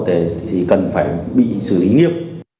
thì cần phải bị xử lý nghiêm